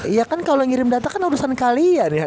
ya kan kalo ngirim data kan urusan kalian ya